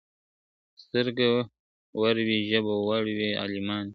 سترگه ور وي، ژبه ور وي عالمان وي ,